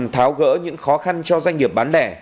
tháo gỡ những khó khăn cho doanh nghiệp bán lẻ